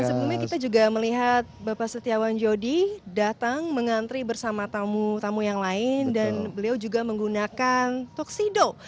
dan sebelumnya kita juga melihat bapak setiawan jody datang mengantri bersama tamu tamu yang lain dan beliau juga menggunakan toksido